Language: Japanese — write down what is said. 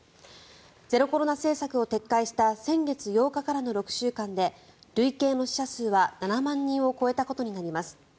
ゼロコロナ政策を撤回した先月８日からの６週間で累計の死者数は７万人を超えたことになります。